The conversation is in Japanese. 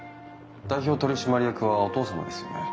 代表取締役はお父様ですよね？